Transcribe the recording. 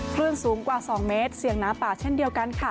คลื่นสูงกว่า๒เมตรเสี่ยงหนาป่าเช่นเดียวกันค่ะ